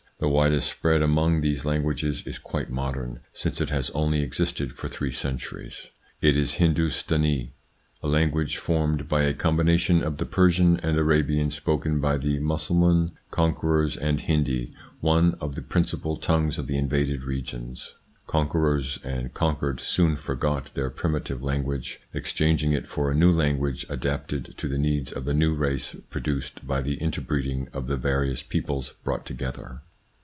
The widest spread among these languages is quite modern, since it has only ITS INFLUENCE ON THEIR EVOLUTION 93 existed for three centuries ; it is Hindustanee, a language formed by a combination of the Persian and Arabian spoken by the Mussulman conquerors and Hindi, one of the principal tongues of the invaded regions. Conquerors and conquered soon forgot their primitive language, exchanging it for a new language adapted to the needs of the new race produced by the interbreeding of the various peoples brought together.